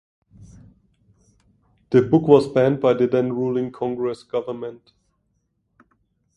The book was banned by the then ruling Congress government.